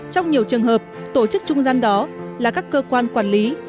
trong nhiều trường hợp tổ chức trung gian đó là các cơ quan quản lý